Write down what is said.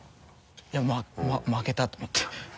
いやま負けたと思って。